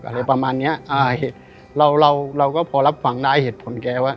อะไรประมาณเนี้ยอ่าเราเราเราก็พอรับฟังได้เหตุผลแกว่า